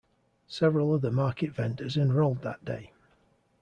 Several other Market vendors enrolled that day.